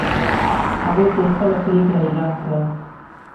هغوی ته یې خپله پرېکړه اعلان کړه.